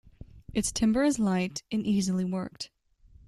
Its timber is light and easily worked.